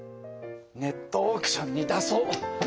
ネットオークションに出そう。